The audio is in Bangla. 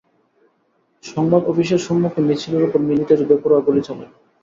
সংবাদ অফিসের সম্মুখে মিছিলের ওপর মিলিটারি বেপরোয়া গুলি চালায়।